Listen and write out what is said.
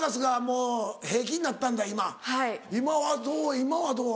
今はどう？